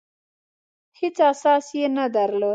هېڅ اساس یې نه درلود.